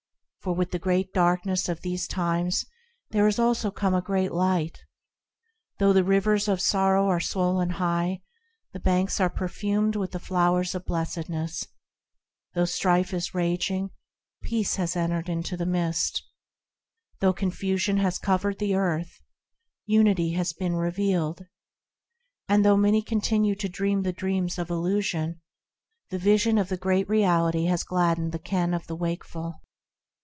For with the great darkness of these times, there has also come great Light ; Though the rivers of sorrow are swollen high, The banks are perfumed with the flowers of blessedness ; Though strife is raging, Peace has entered into the midst ; Though confusion has covered the earth, unity has been revealed ; And though many continue to dream the dreams of illusion, The vision of the Great Reality has gladdened the ken of the wakeful.